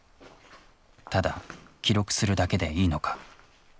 ただ記録するだけでいいのか。